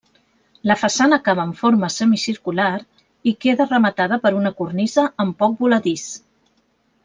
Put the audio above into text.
La façana acaba en forma semicircular i queda rematada per una cornisa amb poc voladís.